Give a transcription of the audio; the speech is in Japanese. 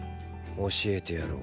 教えてやろう。